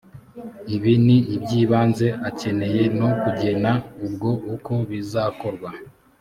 ibi ni iby ibanze akeneye no kugena ubwo uko bizakorwa